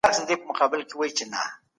هر استازی د خپلي سيمي لپاره څه کوي؟